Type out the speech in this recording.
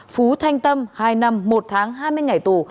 phú thanh tâm hai năm một tháng hai mươi ngày tù